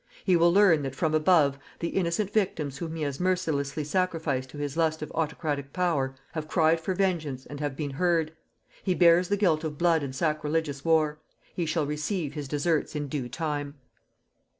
He will learn that from above the innocent victims whom he has mercilessly sacrificed to his lust of autocratic power, have cried for vengeance and have been heard. He bears the guilt of blood and sacrilegious war. He shall receive his deserts in due time.